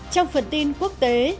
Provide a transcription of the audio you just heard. trong phần tin quốc tế